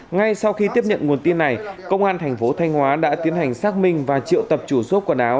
ngay sau khi tiếp nhận nguồn tin này công an tp thanh hóa đã tiến hành xác minh và triệu tập chủ sốt quần áo